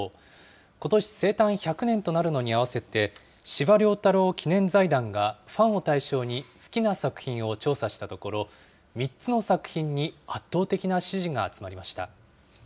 ことし生誕１００年となるのに合わせて、司馬遼太郎記念財団がファンを対象に好きな作品を調査したところ、３つの作品に圧倒的な支持が集まりました。